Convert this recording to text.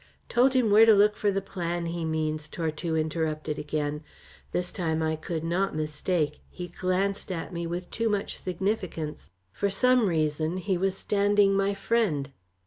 "Told him where to look for the plan, he means." Tortue interrupted again. This time I could not mistake. He glanced at me with too much significance. For some reason, he was standing my friend.